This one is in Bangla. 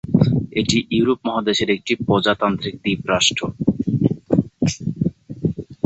এটি ইউরোপ মহাদেশের একটি প্রজাতান্ত্রিক দ্বীপ রাষ্ট্র।